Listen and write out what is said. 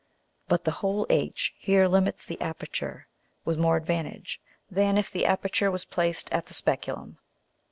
But the hole H here limits the aperture with more advantage, than if the aperture was placed at the Speculum.